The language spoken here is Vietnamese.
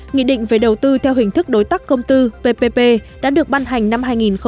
nghị định về đầu tư theo hình thức đối tác công tư ppp đã được ban hành năm hai nghìn một mươi